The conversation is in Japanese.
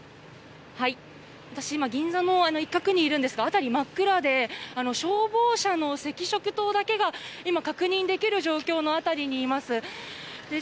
今、銀座の一角にいるんですが辺り真っ暗で消防車の赤色灯だけが今、確認できる状況の辺りにいます。